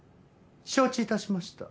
承知致しました。